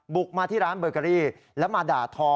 บุกมาที่ร้านเบอร์เกอรี่แล้วมาด่าทอ